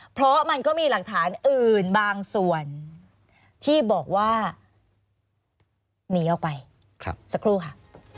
เพราะมันก็มีหลักฐานอื่นบางส่วนที่บอกว่าหนีออกไปสักครู่ค่ะ